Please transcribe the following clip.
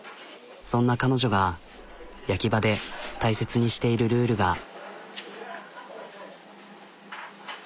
そんな彼女が焼き場で大切にしているルールが。